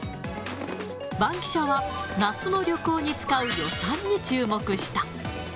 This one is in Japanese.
バンキシャは、夏の旅行に使う予算に注目した。